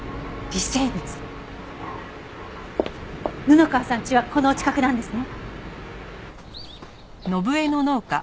布川さん家はこのお近くなんですね？